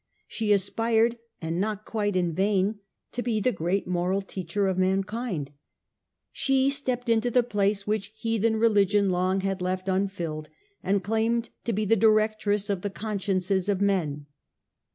She aspired, and not quite in vain, to be the great moral teacher of mankind. She stepped into the place which heathen religion long had left unfilled, and claimed to be the directress of the consciences of men.